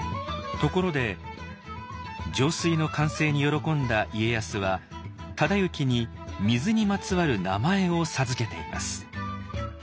ところで上水の完成に喜んだ家康は忠行に水にまつわる名前を授けています。